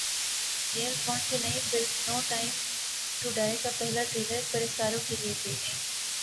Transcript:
James Bond کی نئی film no time to die کا پہلا ٹریلر پرستاروں کے لیے پیش